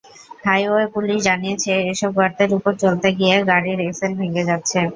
Highway police জানিয়েছে, এসব গর্তের ওপর চলতে গিয়ে গাড়ির এক্সেল ভেঙে যাচ্ছে।